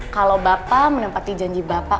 kalau bapak menempati janji bapak